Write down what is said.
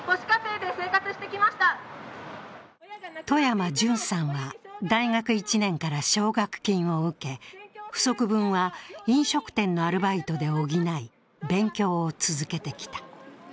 外山詢さんは、大学１年から奨学金を受け、不足分は飲食店のアルバイトで補い、勉強を続けてきた。